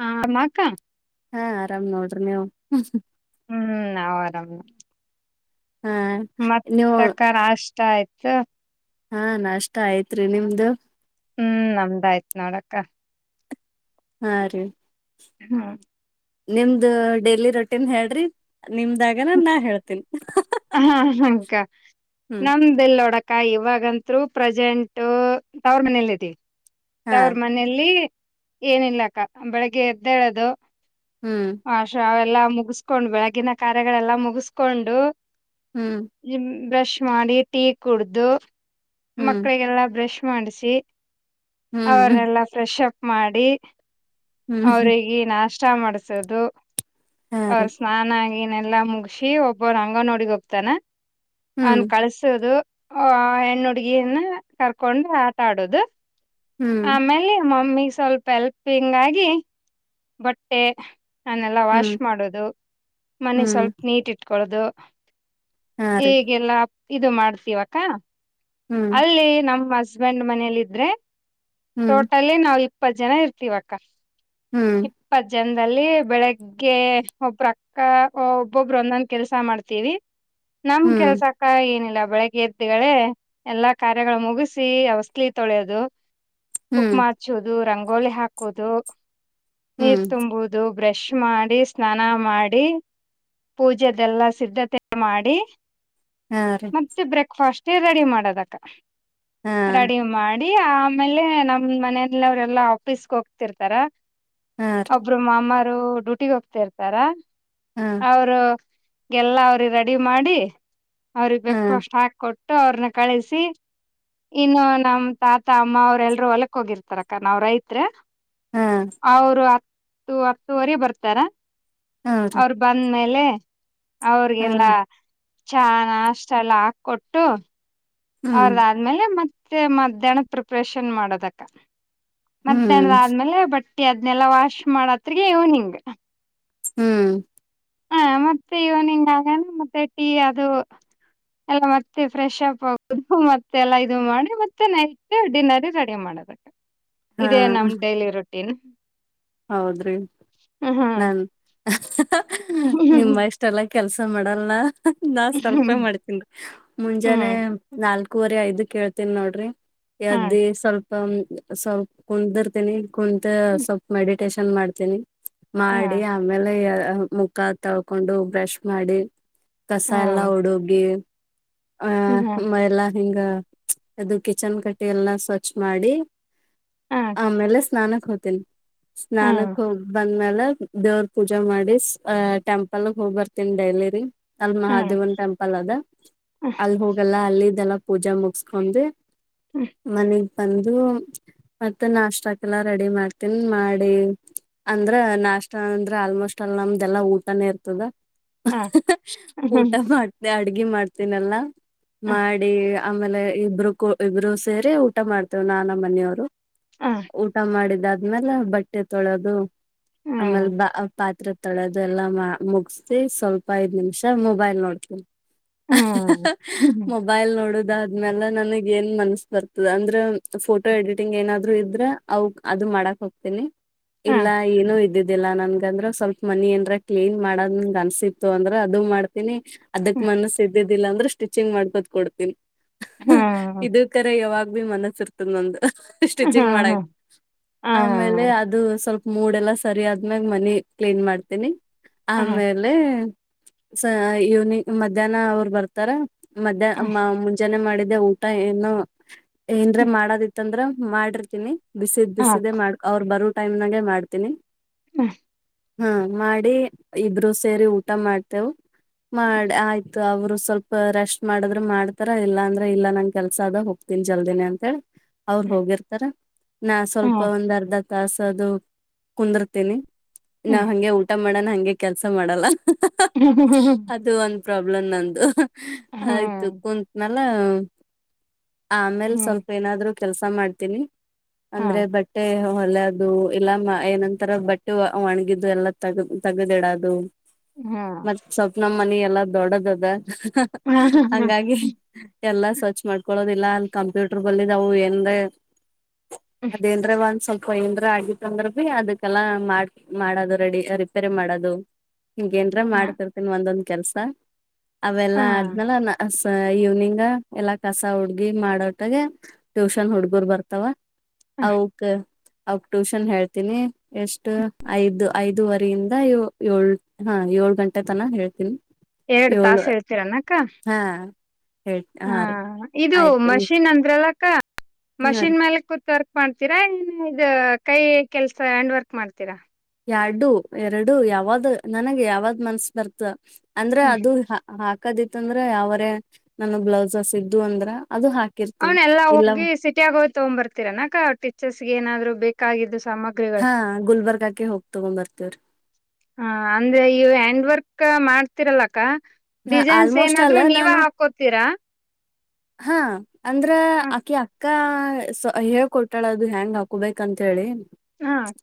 ಹಾ ಮತ್ತೇ ಹಾ ಆರಾಮ ನೋಡ್ರಿ ನೀವು ಹೂಂ ನಾವ್ ಆರಾಮ್ ಹಾ ಮತ್ ನೀವು ಅಕ್ ನಸ್ಟ ಆಯಿತು ಹಾ ನಸ್ಟ ಆತ್ರೀ ನಿಮ್ಮದು ಹೂಂ ನಮ್ದಾಯ್ತು ನೋಡಕ್ಕ ಹಾ ರೀ ಹೂ ನಿಮ್ದು ಡೈಲಿ ರೋಟಿನ್ ಹೇಳ್ರೀ ನಿಮ್ಡಗೇನ ನಾನ್ ಹೇಳ್ತೀನಿ ಅಲ್ಲ ಅಲ್ಲಕ್ಕ ಹ್ಮ್ ನಮ್ಮ ಬಾಲಿನೊಡಕ್ಕ ಇವಗಂತೂ ಥ್ರೂ ಪ್ರಸೆಂಟು ತೋರ ಮನೇಲಿದೀವಿ ಹಾ ತೋರಮನೇಲಿ ಏನಿಲ್ಲಾ ಅಕ್ಕ ಬೆಳಗ್ಗೆ ಎದ್ದೇಳದು ಹ್ಮ್ ಆಶಾವಾ ಎಲ್ಲಾ ಮುಗಿಸ್ಕೊಂಡ್ ಬೆಳಗಿನ ಕಾರ್ಯಗಳೆಲ್ಲ ಮುಗಿಸ್ಕೊಂಡು ಹೂಂ ಬ್ರಷ್ ಮಾಡಿ ಟೀ ಕುಡ್ದು ಹ್ಮ್ ಮಕ್ಕಳಿಗೆಲ್ಲ ಬ್ರಶ್ ಮಾಡ್ಸಿ ಹ್ಮ್ ಹ್ಮ್ ಅವರೆಲ್ಲಾ ಫ್ರೆಶ್ ಮಾಡಿ ಹ್ಮ್ ಅವರಿಗೆ ನಸ್ಟ ಚಾ ಮಾಡ್ತಾ ಇದ್ದು. ಹಾ ಅ ರೀ ಸ್ಥಾನಾ ಗಿ ಎಲ್ಲಾ ಮುಗಸಿ ಒಬ್ಬವನ ಅಂಗನವಾಡಿಗೆ ಹೋಗತಾನ. ಹ್ಮ್ ಅವನ ಕಳಸುದು. ಆ ಹೆಣ್ ಹುಡ್ಗೀರ್ನ ಕರ್ಕೊಂಡು ಆಟ ಆಡೋದು. ಹ್ಮ್ ಅಮೇಲೆ ಮಮ್ಮಿ ಸ್ವಲ್ಪ ಹೆಲ್ಪಿಂಗ್ ಆಗಿ ಪಿಹ್ಹ್ ಬಟ್ಟೆ ಅವನ್ ಎಲ್ಲಾ ವಾಶ್ ಹ್ಮ್ ಮಾಡುದು.... ಮನಿ ಹ್ಮ್ ಸ್ವಲ್ಪ ನಿಟ್ ಇಟ್ಕೋ ಅಲ್ದ ಹಾ ರೀ ಈಗೆಲ್ಲ. ಇದ ಮಾಡ್ತಿವ ಅಕ್ಕಾ. ಹ್ಮ್ ಅಲ್ಲೆ ನಮ್ಮ ಹಸ್ ಹಶ್ಬೆಂಡ್ ಮನೇಲಿ ಇದ್ರೆ ಹ್ಮ್ ಟೋಟಲಿ ನಾವ್ ಇಪ್ ಇಪ್ಪತ್ ಜನ ಇರ್ತಿವಕ್ಕಾ. ಹ್ಮ್ ಇಪ್ಪತ್ ಜನ್ ಅಲ್ಲಿ ಬೆಳ್ಳಿಗೆ ಅಬ್ರ ಅಕ್ಕಾ ಒಬ್ರಬ್ಬ್ ಒಂದ್ ಒಂದ ಕೆಲಸ ಮಾಡ್ತೀವಿ ನನ್ನ ಹ್ಮ್ ಕೆಲಸ ಅಕ್ಕಾ ಏನಿಲ್ಲ ಬೆಳಿಗ್ಗೆ ಎದ್ಗುಳೆ ಎಲ್ಲಾ ಕಾರ್ಯಗಳ ಮುಗಿಸಿ ಹೊಸಲಿ ತೊಳಿಯೋದು ಹ್ಮ್ ಕುಕಮಾ ಹಚೋದು ರಂಗ್ ಗೋಲಿ ಹಾಕೋದು ನೀರ್ ಹ್ಮ್ ತುಂಬೋದು ಬ್ರಶ್ ಮಾಡಿ ಸ್ಥಾನ ಮಾಡಿ ಪೂಜೆದ ಎಲ್ಲಾ ಸಿದ್ಧತೆ ಮಾಡಿ ಹಾ ರೀ ಮತ್ತೆ ಬ್ರೇಕ್ ಫಾಸ್ಟ್ ಟೀ ರೆಡಿ ಮಾಡೋದ್ ಅಕ್ಕಾ ಹಾ ರೆಡಿ ಮಾಡಿ ಈ ಆಮೇಲೆ ನಮ್ ಮಂನ್ಯೋರೆಲ್ಲ ಆಫೀಸ್ ಹೋಗ್ತಿರ್ತಾರೆ ಹಾ ರೀ ಒಬ್ರ ಮಾಮ್ ಅ ಡ್ಯೂಟಿಗೆ ಹೋಗ್ತಾ ಇರ್ತಾರಾ ಹಾ ಅವ್ರು ಎಲ್ಲಾ ಅವ್ರಿಗೆ ರೆಡಿ ಮಾಡಿ ಅವ್ರಿಗ್ ಹಾ ಬ್ರೆಕ್ ಫಾಸ್ಟ್ ಹಾಕಿ ಕೊಟ್. ಟ್ಟ ಅವ್ರ್ನ ಕಳ್ಸಿ ಇನ್ನ ನಮ್ಮ ತಾತ ಅಮ್ಮಾವರು ಎಲ್ಲರು ಹೊಲಕ್ ಹೋಗಿರತಾರ ಅಕ್ಕಾ ನಾವ್ ರೈತ್ರೆ. [unintelligible] ಅವರು ಹತ್ತು ಹತ್ತು ವರೆ ಬರುತ್ತಾರೆ ಹಾ ರೀ ಅವರು ಬಂದ್ಮೇಲೆ [unintelligible] ಹಾ ಅವರಿಗೆಲ್ಲ [unintelligible] ಆ ಕೊಟ್ಟು ಹ್ಮ್ ಅವರ ಆದ ಮೇಲೆ [unintelligible] ಪ್ರಿಪರೇಷನ್ ಹ್ಮ್ [unintelligible] ಅದ್ನೇಲ್ಲ ವಾಶ್ ಮಾಡೋ ಹೂತ್ತಿಗೆ ಹ್ಮ ಮತ್ತೆ ಇವನಂಗಾದ ಈ ಅದು ಮತ್ತೆ ಫ್ರೆಶ್ ಅಪ್ ಆಗ್ಬೇಕು ಮತ್ತೆಲ್ಲ ಇದು ಮಾಡಿ ಮತ್ತೆ ಡಿನ್ನರ್ ರೆಡಿ ಆಗೋದು ಇದೇ ನಮ್ ಕೈಯಲ್ಲಿರೋದು [unintelligible] ಹೌದ್ರೀ ಹ್ಮ್ ಹ್ಮ್ ಹ್ಮ್ ನಿಮ್ಮ ಅಸ್ಟಲ್ಲ [inaudible] [unintelligible] ನಾನು ಸಲ್ಪ ಹ್ಮ್ ಮಾಡುತೇನೆ ಮುಂಜಾನೆ ನಾಲ್ಕ ಗಂಟೆ ನಾಲ್ಕು ವರೆ ಹೈದು ಹೇಳ್ತೀನಿ ನೋಡ್ರಿ ಎದ್ದಿ ಸ್ವಲ್ಪ ಸ್ವಲ್ಪ ಕುಂತಿರ್ತೀನಿ ಸ್ವಲ್ಪ ಕುಂತು [inaudible] ಮೆಡಿಟೇಶನ್ ಮಾಡುತ್ತೇನೆ ಮಾಡಿ ಆಮೇಲೆ ಮುಖ ತೊಳ್ಕೊಂಡು ಬ್ರಷ್ ಮಾಡಿ ಕಷಾಯೆಲ್ಲ ಹೊಡೆದಿ ಹ್ಮ [unintelligible] ಕಿಚನ್ ಎಲ್ಲಾ ಸ್ವಚ್ಛ ಮಾಡಿ ಆಮೇಲೆ ಸ್ನಾನಕ್ಕೆ [unintelligible] ಸ್ನಾನಕ್ಕೆ ಹೋಗ್ ಬಂದ್ಮೇಲೆ ದೇವರು ಪೂಜೆ ಮಾಡಿ ಟೆಂಪಲ್ ಹೋಗ್ ಬರ್ತೀನಿ ಡೈಲಿ ಮಹದೇವನ ಟೆಂಪಲ್ ಇದೆ ಅಲ್ಲಿ ಹೋಗಲ್ಲ ಪೂಜೆ ಮುಗಿಸಿಕೊಂಡು ಮನೆಗೆ ಬಂದು ನಾಷ್ಟಕ್ಕೆಲ್ಲ ರೆಡಿ ಮಾಡ್ತೀನಿ ಹ್ಮ್ ಮಾಡಿ ನಷ್ಟ ಅಂದ್ರ ನಂಬದೆಲ್ಲ ಊಟ ನಾ ಇರ್ತದ ಹು ಹೂ ಹಾ ಯೂ ಊಟ ಮಾಡ್ದೆ ಅಡುಗೆ ಮಾಡ್ಟ್ನಿಲ್ಲ ಮಾಡಿ ಆಮೇಲೆ ಇಬ್ರು ಸೇರಿ ಊಟ ಮಾಡ್ತೀವಿ ನಾನು ನಮ್ಮ ಮನೇರು ಊಟ ಮಾಡಿದ ಮೀ ಈವಾಗ್ಲೇ ಬಟ್ಟೆ ತೊಳೆಯುದು ಆಮೇಲೇ ಬಾ ಪಾ ತ್ರೆ ತೊಳೆಯದು ಮುಗ್ಸಿ ಮೊಬೈಲ್ ನೋಡ್ತೀನಿ ಹಾ ಹಾ ಮೊಬೈಲ್ ನೋ ಇವೆಲ್ಲ ಯಲ್ಲಿ ಮನಸು ಬರ್ತಡೇ ಅಂದ್ರ ಫೋಟೋ ಎಡಿಟಿಂಗ್ ಏನಾದ್ರು ಇದ್ರ ಅದು ಹೋಗ್ತೀನಿ ಇಲ್ಲ ಏನು ಇದ್ದಿದಿ ಇಲ್ಲ ಅಂದ್ರ ಸಲ್ಪ ಮಣಿ ಏನಾರ ಕ್ಲೀನ್ ಮಾಡ್ಬೇಮು ಅನ್ಸಿಡ್ರ ಅದು ಮಾಡ್ತೀನಿ ಅದ್ಕ ಮನಸು ಈ ದ್ದಿಲ್ಲ ದಿಲ್ಲ ಅಂದ್ರ ಸ್ವಿಚಿಂಗ್ ಮಡ್ಕೋ ತ ಕುರ್ತೀನಿ ಹಾ ಇದು ಕರೆ [unintelligible] ಸ್ವಿಚಿಂಗ್ ಗೆ ಮಾಡೋಕೆ ಆಮೇಲೆ ಸದು ಸಲ್ಪ ಮುಢಏ ಲ್ಲಾ ಸಾರಿ ಅದ್ಮೇಲ್ ಮನಿ ಕ್ಲೀನ್ ಮಾಡ್ತೀನಿ ಆಮೇಲೆ ಮಧ್ಯನಾ ಅವ್ರ್ ಬರ್ತಾರೆ ಮದ್ಯಾಹ್ನ ಮಾ ಮುಂಜಾಲೆ ಮಾಡಿದ್ದೂ ಊಟ ಏನು ಏನರ ಮಾಡದು ಇತ್ತ ಅಂದ್ರ ಮಾಡಿರ್ತೀನಿ ಬಿಸೆದು ಬೇ ಅವ್ರ್ ಬಾರೋ ಟೈಮ್ ನೆಗೆ ಮಾಡ್ತೀನಿ ಹು ಹ್ಮ್ಮ್ ಮಾಡಿ ಇಬ್ರು ಸೇರಿ ಊಟ ಮಾಡ್ತೆವು ಹ್ಮ್ಮ್ ಮಾಡಿ ಆಯ್ತು ಅವ್ರು ಹ್ಮ್ಮ್ ರೆಸ್ಟ್ ಮಾಡಿದ್ರ ಮಾಡ್ತ್ರ್ರ ಇಲ್ಲ ಅಂದ್ರ ಕೆಲಸ ಅದ ಹೋಗ್ತೀನಿ ಜಲ್ದಿನ ಅಂತ ಹೊಕ್ಕರ ಅವರು ಹೋಗಿರ್ತಾರ [unintelligible] ಅರ್ಧ ತಾಸದು ಕುಂದುರ್ತೀನಿ ನಾ ಹಂಗೆ ಊಟ ಮಾಡೋಣ ಹಂಗೆ ಕೆಲಸ ಮಾಡಲ್ಲ ಅದೊಂದು ಪ್ರಾಬ್ಲಮ್ ನಂದು [unintelligible] ಆಯ್ತು ಕುಂತ್ [unintelligible] ಆಮೇಲೆ ಸ್ವಲ್ಪ ಏನಾದ್ರೂ ಕೆಲಸ ಮಾಡ್ತೀನಿ ಅಂದ್ರೆ ಹೊಲದ್ದು ಇಲ್ಲ ಬಟ್ಟೆ ಒಣಗಿದ್ದು ಎಲ್ಲ ತೆಗೆದಿಡುವುದು [unintelligible] ನಮ್ಮನೆಯಲ್ಲ ದೊಡ್ಡದಿದೆ ಹಂಗಾಗಿ ಎಲ್ಲಾ ಸ್ವಚ್ಛ ಮಾಡ್ಕೊಳ್ಳೋದು ಏನಂದ್ರೆ ಅದೇನ್ ಸ್ವಲ್ಪ ಏನಾರ ಆಗಿತ್ತಂದ್ರೆ ಅದಕ್ಕೆಲ್ಲ ರಿಪೇರಿ ಮಾಡೋದು ಹೀಗೆನರ ಮಾಡ್ತಾ ಇರ್ತೀನಿ ಒಂದೊಂದು ಕೆಲಸ ಅವೆಲ್ಲ ಆದ್ಮೇಲೆ ಇವನಿಂಗ ಎಲ್ಲ ಕಸ ಹುಡುಗಿ ಮಾಡೋ ಟೆರೆಗೆ ಟ್ಯೂಷನ್ ಹುಡುಗ್ರು ಬರುತ್ತಾವ ಓಕೆ ಅವುಕ್ಕೆ ಟ್ಯೂಷನ್ ಹೇಳ್ತೀನಿ ಎಷ್ಟು ಐದು ಐದುವರೆ ಯಿಂದ ಏಳು ಗಂಟೆ ತನ ಹೇಳ್ತೀನಿ ಎರಡು ಏಳು ತಾಸು ಹೇಳುತ್ತೀರಿ ಏನಕ್ಕ ಹಾ ಹೇಳ್ ಹಾ ರೀ ಇದು ಆಯ್ತು ಮಷೀನ್ ಅಂದ್ರೆ ಹಾ ರೀ ಮಷೀನ್ ಮೇಲೆ ಕೂತುವರ್ ಕೈ ಕೆಲಸ ಹ್ಯಾಂಡ್ ವರ್ಕ್ ಮಾಡ್ತೀರ ಯಾಡ್ದು ಎರಡು ಯಾವದ್ದು ನನಗೆ ಯಾವದ ಮನಸ್ಸು ಬರುತ್ತೋ ಅಂದ್ರೆ ಹ್ಮ್ ಅದು ಕದಿತಂದ್ರೆ ಅವರೇ ನನಗೂ ಬ್ಲೌಸಸ್ ಇದ್ದು ಅಂದರೆ ಅವನ್ನೆಲ್ಲಾ ಹೋಗಿ ಸಿಟಿಯಲ್ಲಿ ಹೋಗಿ ತಗೊಂಡ್ ಬರ್ತೀರಾ ಏನಕ್ಕ ಸ್ಟಿಚಸ್ ಗೆ ಏನಾದರೂ ಬೇಕಿದ್ ಕಾಯ್ದು ತ್ಮ ಹಾ ಗುಲ್ಬರ್ಗಾಕ್ಕೆ ಹೋಗಿ ತಗೊಂಡ್ ಬರ್ತೇವ್ರಿ ಅಂದ್ರೆ ಹ್ಯಾಂಡ್ ಎರಾಂಕ್ ಮಾಡ್ತಾ ತರ್ತೀರಿ ಅಲಾ ಅಕ್ಕಾ ಹಾ ಡಿಸೈನ್ ಆಲ್ಮೋಸ್ಟ್ ಏನಾದ್ರು ನೀವ್ ಹಾಕುತೀರಾ ಹ್ಮ್ಮ್ ಅಂದ್ರ ಅಕಿ ಅಕಿ ಕ ಹೇಳ್ಕೊಡ್ತೀಲಾ ಹೆಂಗ ಹಾಕೋಬೇಕು ಅಂತ ಹೇಳಿ ಹ್ಮ್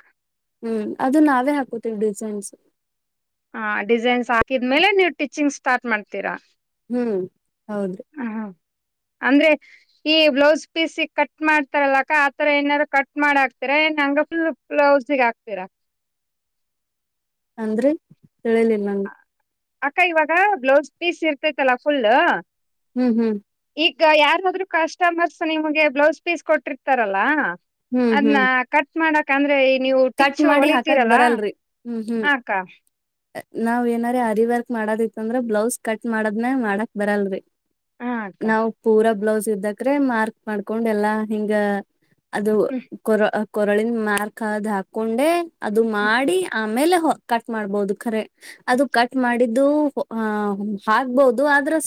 ಹ್ಮ್ ಅದು ನಾವೇ ಹಾಕುತೀವಿ ಡಿಸೈನ್ಸ ಹಾ ಡಿಸೈನ್ ಹಾಕಿದ್ಮೇಲೇ ನೀವ್ ಸ್ಟಿಚಿಂಗ್ ಸ್ಟಾರ್ಟ್ ಮಾಡ್ತೀರಾ ಹ್ಮ್ ಹೌದು ಹು ಏ ಬ್ಲೌಸ್ಪೀಸ್ ಕಟ್ ಮಾಫಿ ಹಾಕ್ತಾರಲ್ಲ ಅಕ್ಕಾ ಹಾಯರ ಏನ್ ಕಟ್ ಮಾಡಿ ಹಾಕ್ತಿರಾ ಹ್ಮ್ ಅಂದ್ರೆ ತಿಳಿಲ್ಲ ನಾ ಅಕ್ಕಾ ಈವಾಗ ಬ್ಲೌಸ್ ಪೀಸ್ ಇರ್ತೇತಿ ಅಲ್ಲ ಫುಲ್ಲೂ ಹ್ಮ್ ಹ್ಮ್ ಈಗ ಯಾರದ್ರು ಕಸ್ಟಮೆರ್ಸ್ ನಿಮಗೆ ಬ್ಲೂಸ್ಪಿಸ್ ಕೊಟ್ಟಿರ್ತಾರ ಅಲ್ಲ ಹ್ಮ್ ಅದ್ನ ಹ್ಮ್ ಕಟ್ ಮಾಡೋಕೆ ಅಂದ್ರೆ ನೀವು ಕಟ್ ಸ್ಟಿಚ್ ಮಾಡಿ ಹಾಕಕ್ ಹೋಳಿತಿರಲ್ಲ ಬರಲ್ರಿ ಹಾ ಅಕ್ಕಾ ನಾವೇನ್ ರ ಅರಿ ವರ್ಕಆಡೋದು ಈತ ಅಂದ್ರ ಬ್ಲೌಸ್ ಕಗ್ ಮಾಫಿಡೆ ಮೇಲೆ ಮಾಡಾಕ ಬರಲ್ಲ ರೀ ಹಾ ಅಕ್ಕ ನಾವ್ ಪುರ ಬ್ಲೌಸ್ ತ್ರೆ ಮಾರ್ಕ ಮಾಡ್ಕೊದ್ದು ಎಲ್ಲಾ ಹಿಂಗ ಅದು ಹ್ಮ್ ಕೋ ಕೊಳಿಂದ ಮರ್ಕು ಅದು ಕೊಂಡೆ ಅದು ಹ್ಮ್ ಮಾಡಿ ಅಮೇಲೆ ಕಟ್ ಮಾಡಬೋದು ಕರೆ ಅದು ಕಟ್ ಮಾಡಿದ್ದೂ ಹಾಕ್ಬೋದು ಅದ್ರೆ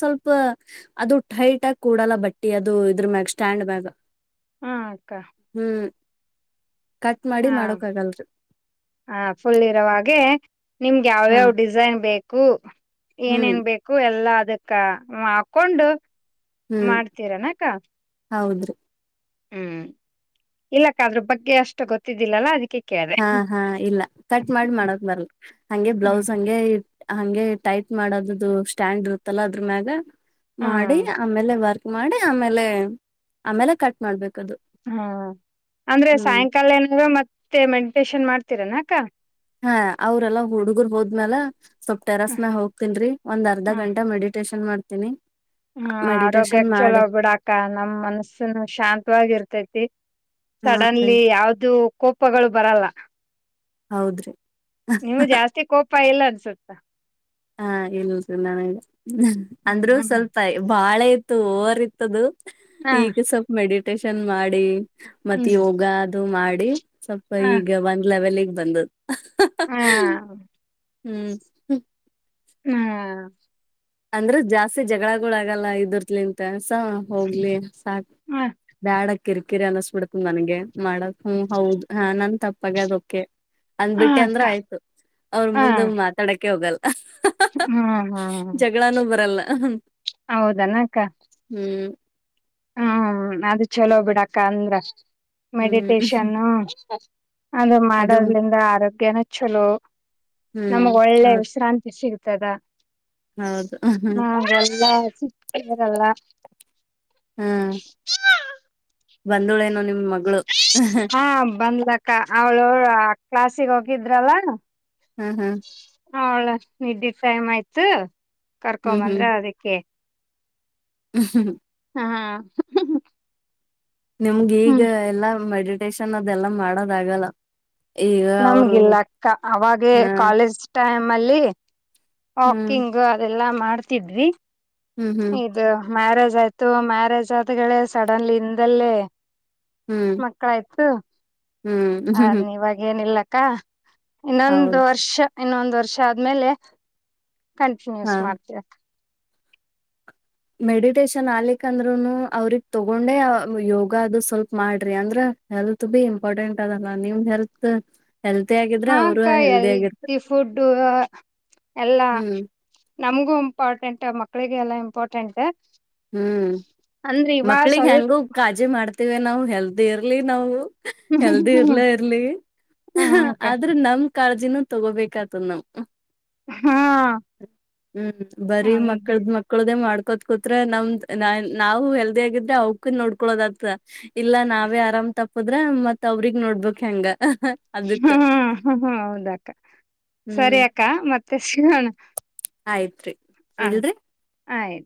ಅದು ತಾಯಿತಗಿ ಕೂರಲ್ಲ ಅದ್ರ ಮೇಲೆ ಹ ಅಕಾ ಕಟ್ ಮಾಡಿ ಮಾ ಹಾ ಫುಲ್ ಇರುವಾಗಿ ನಿಮಗೆ ಯವ ಹಾ ಯಾವ ಡಿಸೈನ್ ಬೇಕು ಏನ್ ಹ್ಮ್ ಏನ್ ಬೇಕು ಎಲ್ಲಾ ಅದ್ಕಕಾ ಹಾಕ್ಕುಂಡು ಹ್ಮ್ ನಡ್ತೀರಿ ಏನ್ ಅಕ್ಕಾ ಹೌದ್ರಿ ಹ್ಮ್ ಇಲ್ಲಾ ಅಕ್ಕಾ ಅದ್ರ ಬಗ್ಗೆ ಅಷ್ಟು ಗೊತ್ತಿದಿಲ್ಲ ಅಲ್ಲ ಅದ್ಕ ಕೇ ಹಾ ಹಾ ಇಲ್ಲ ಕಟ್ ಮಾಡ್ ಮಾಡೋಕ್ ಬರ್ಲ ಹಂಗೆ ಬ್ಲೌಸ್ ಹಂಗೆ ಹಂಗೆ ಟೈಪ್ ಮಾಡೋದು ಸ್ಟ್ಯಾಂಡ್ ಇರುತ್ತಲ್ಲ ಅದುರ್ ಮೄಗ ಮಾಡಿ ಹ್ಮ್ ಅಮೇಲೆ ವರ್ಕ ಮಾಡಿ ಅಮೇಲೆ ಹಾ ಅಮೇಲೆ ಕಟ್ ಮಾಡ್ಬೇಕು ಹಾ ಅಂದ್ರೆ ಸಯ್ಕಾಲೆನಾರು ಮತ್ ಮತ್ತೆ ಮೆಡಿಟೇಶನ್ ಮಾಡ್ತತಿರನ್ ಅಕ್ಕ ಹಾ ಅವ್ರೇಲ್ಲಾ ಹುಡ್ಗ್ರು ಹೋಮ್ ಮ್ಯಾಲ ಸ್ವಲ್ಪ ತೆರೆಸ್ ಹ್ಮ್ ಹೋಗ್ತಿನ್ ರೀ ಒಂದ್ ಅರ್ಧ ಗಂಟ ಮೆಡಿಟೇಶನ್ ಅಮೇಲ್ ಮಾಡ್ತೀನಿ ಡ್ತಿನಿ ಹ ಆರೋಗ್ಯಗ್ ಚೆಲುವಿಗೆ ಬಿಡಕ್ಕ ನಮ್ ಮನ್ಸನ್ ಶಾಂತ್ವಾಗ್ ಇರ್ತಾತಿ ಹಾ ರೀ ಸಡನ್ಲಿ ಯಾವ್ದು ಕೋಪ ಬರಲ್ಲ ಹ್ಹೌದ್ರಿ ನೀವ್ ಜಾಸ್ತಿ ಕೋಪ ಇಲ್ಲ ಸತ್ತ ಹಾ ನೀವ್ ಲೂಜ್ ನಾವೇನ್ ನನ್ ಹ್ಮ್ ಅಂದ್ರು ಸ್ವಲ್ಪ ಬಾಳ ಇದ್ ತೂಕ ಓವರ್ ಇತ್ ಅದು ಹ್ ಈಗ ಸ್ವಲ್ಪ ಮೆಡಿಟೇಟ್ ಟೇಶನ್ ಮಾಡಿ ಹ್ಮ್ ಮತ್ ಹ್ಮ್ ಯೋಗ ದೂ ಮಾಡಿ ಸ್ವಲ್ಪ ಈಗ ಒಂದ್ ಲೆವಲಿಗ್ ಬದ್ದು ಹಾ.. ಹೂಃ ಹ್ಹ ಅಂದ್ರ ಜಾಸ್ತಿ ಜಗಳ ಗಳ್ ಆಗಿಲ್ಲ ಇದುರ್ಲಿ ಅಂತ ಸೋ ಹೋಗ್ಲಿ ಅಂತ ಹತ್ ದಾಡಗ್ ಕಿರ್ ಕಿರಿ ಅನ್ನುಸ್ ಬಿಡ್ತು ನನ್ಗೆ ಮಾಡಕ್ ಹೂ ಹೌದು ಹಾ ನನ್ ತಪ್ಪಾಗದ್ ಒಕೆ ಹ ಅಂದ್ಬಟ್ಟೇ ಅಂನ್ದ್ರ ಅಕ್ಕ ಆಯ್ತ ಅವ್ರ ಮುಂದುಕ್ಕೇ ಮಾತಾಡೂಕೆ ಆಗಲ್ಲ ಹ್ ಹೂ ಹೂ ಜಗಳನು ಬರಲ್ಲ ಹ್ಹ ಹೌದನಕ್ಕ ಹೂಂ ಹೂ ಅದ್ ಚಲೋ ಬಿಡಕ್ಕ ಅಂದ್ರ ಹ್ಮ್ ಮೇಡಿಟೇಶನ್ನೂ ಅದುನ್ನ ಅದು ಮಾಡುದ್ರಿಂದ ಅರೋಗ್. ಕೆನೆ ಚೊಲೋ. ಹ್ಮ್ ನಮಗೆ ಒಳ್ಳೆ ಹೌದ್ ವಿಶ್ರಾಂತಿ ಸಿಗುತ್. ತದ. ಹೌದು ಹು ಎಲ್ಲಾ ಸಿದ್ಕೆ. ದಲ್ಲ. ಬಂಧುಲೇನ್ನ ನಿಮ್ ಮಗ್. ಹ್ಮ್ ಬಂದ್ಲಾ ಕ್. ಕ್ಕ ಅವ್ಳ ಕಲ್ಸಿಗ್ ಹೋಗಿದ್ರಲ್ಲ. ಹಾ ಹಾ. ಒಳ್ಳೆ ನಿಧಿ ಟೈಮ್ ಆತು. ಕರ್ಕೋದ್ದು ಹ್ಮ್ ಬಂದ್ರ ಅದಿಕ್ಕೆ. ಹ್ಮ್ ಹಾ ನಮಗೀಗ ಹ್ಮ್ ಎಲ್ಲಾ ಮೆಡಿ. ಪೆಸನ್ ಅದೆಲ್ಲ ಮಾಡುದಾ ಆಗಲ್ಲ. ನಮ್ಗೆಲ್ಲಾ ಅಕ್ಕಾ ಅವಗೆ ಹಾ ಕಾಲೇಜು ಟೈಮ್. ಮಲ್ಲಿ ಹ್ಮ್ ವಾಕಿಂಗ್ ಅದೆಲ್ಲ ಮಾಡ್ ಈದ್ವಿ ಹ್ಮ್ ಹ್ಮ್ ಇದ್ ಮ್ಯಾರೇಜ್. ರೇತು ಮ್ಯಾರೇಜ್ ಆಯ್ತು ಅಡಿಗಳೇ ಸಾಡೆನ್ಲಯ್ ಇದ್ದಾಳೆ. ಹ್ಮ್ ಮಕ್ಳು ಆಯ್ತು ಹ್ಮ್ ಹ್ಮ್ ಇವಗೇನೆಲ್ಲ. ಕ ಏನ್ ಒಂದ್ ಹೌದ್ ವರ್ಷ ಇನ್ ಒಂದ್ ವರ್ಷ ಆದ್ಮೇಲೆ. ಕಂಟಿನ್ಯೂಸ್ ಹಾ ಮಾಡ್ತಿರ. ಮಾಡಿಟೇಶನ್ ಆಗ್ಲಿಕ ಆದ್ರೂನು ಅವ್ರ್ಗೆ ತಗೋದೇನಾ ಯೋಗ ಅದು ಸಲ್ಪ ಮಾಡ್ರಿ ಅದ್ರಾ ಹೆಲ್ತ್ ಬೇಡ ಇಂಪಾರ್ಟೆಂಟ್ ಅದ ಅಲಾ ನಿಮ್ ಹೆಲ್ತ್. ಹೆಲ್ತಿ ಆಗಿದ್ರೆ ಹ್ಮ್ಮ್ ಅವರು ಅಕ್ಕಾ ಹೆಲ್ದಿ ಆಗಿರ್ತ ಹೀಅಲ್ಥ್ಯ್ ಪುಂಡು ಎಲ್ಲಾ. ಹ್ಮ್ ನಮಗೂ ಇಂಪಾರ್ಟೆಂಟ್ ಮಕ್ಕಳಿ ಗೆ ಅಲ್ಲ ಇಂಪಾರ್ಟೆಂಟ್. ಹ್ಮ್ಮ್ ಅಂದ್ರೆ ಇವಾಗ ಮಕ್ಕಳಿಗೆ ಸ್ವಲ್ಪ ಎಂಗೊ ಕಾಜು ಮಾಡ್. ಟಿವಿ ನಾವು ಹೇಳದಿ ಇರ್ಲಿ ನಾವು. ಹೆಲ್ತ್ ಎರದೇ ಇರ್ಲಿ. ಹ ಅಕ್ಕ ಆದ್ರು ನಮ್. ಕಾಳ್ಜಿನು ತಗೋಬೇಕ್ ಅತುನು ಹ್ಮ್ಮ್ಹಾ ಹ್ಮ್ಮ ಬಾರಿ ಮಕ್ಕಳ್ದ್ ಮಕ್ಕಳ್ದ್ದೇ ಮಾಡು ಗೊತ್ ಗೊತ್ ಪ್ರಾ ನಂ ನನ್ ನಾವು ಹೆಲ್ತಿ ಅಗ್ ಇದ್ದ್ ಅವ್ಕೂ ನೋಡ್ಕೊಳ್ಲಡ್ ಅಥ ಇಲ್ಲ ನಾವೇ ಅರಮ್ ತಪ್ ಹೋದ್ರ ಮಾತ್ ಅವರಿಗ್ ನೋಡ್ಬಿಕ್ ಹೆಂಗಾ ಹೂಮ್ ಹುಹ್ ಹೌದ್ ಅಕ್ಕ ಹ್ಮ್ ಸರಿ ಅಕ್ಕ ಮಾತ್ ತೇಶು ಹ್ಮ್ಮ್ ಆಯ್ತ್ರಿ ಏನ್ರೀ ಅಯ್